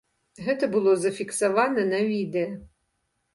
Гэта было зафіксавана на відэа.